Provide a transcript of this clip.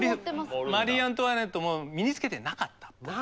マリー・アントワネットも身につけてなかった。